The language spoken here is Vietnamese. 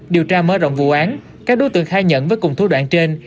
điều tra mơ rộng vụ án các đối tượng khai nhận với cùng thua đoạn trên